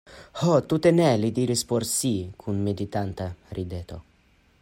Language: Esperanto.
Ho tute ne, li diris por si kun meditanta rideto.